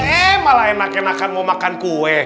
eee malah enakan enakan mau makan kue